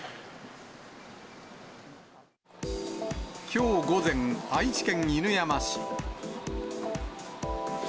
きょう午前、愛知県犬山市。